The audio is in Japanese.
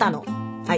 はい。